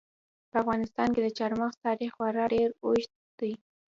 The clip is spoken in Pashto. په افغانستان کې د چار مغز تاریخ خورا ډېر اوږد دی.